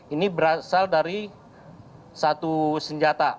ini berasal dari satu senjata